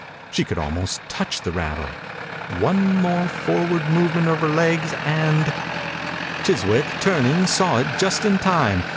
She could almost touch the rattle I One more forward movement of her legs and — Chiswick, turning, saw it just in time.